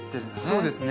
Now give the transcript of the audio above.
そうですね